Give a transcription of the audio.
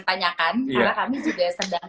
tanyakan karena kami juga sedang